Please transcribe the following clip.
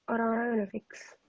orang orangnya udah fix